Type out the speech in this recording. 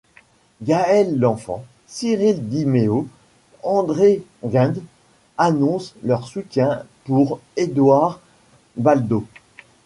Gaëlle Lenfant, Cyril Di Méo, André Guinde annoncent leur soutien pour Édouard Baldo.